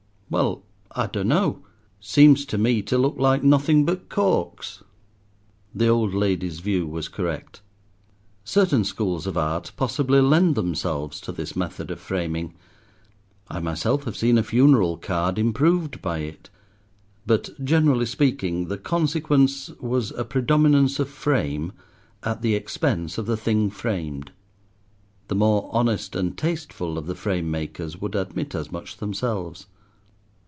"Well, I dunno. Seems to me to look like nothing but corks." The old lady's view was correct. Certain schools of art possibly lend themselves to this method of framing. I myself have seen a funeral card improved by it; but, generally speaking, the consequence was a predominance of frame at the expense of the thing framed. The more honest and tasteful of the framemakers would admit as much themselves.